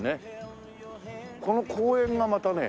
この公園がまたね